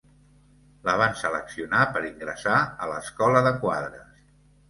La van seleccionar per ingressar a l'Escola de Quadres.